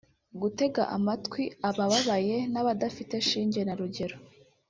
gutega amatwi ababaye n’abadafite shinge na rugero